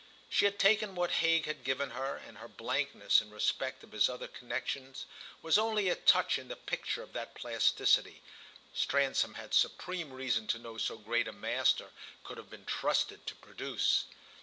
She had taken what Hague had given her, and her blankness in respect of his other connexions was only a touch in the picture of that plasticity Stransom had supreme reason to know so great a master could have been trusted to produce.